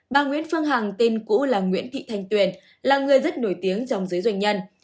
bà nguyễn phương hằng tên cũ là nguyễn thị thanh tuyền là người rất nổi tiếng trong giới doanh nhân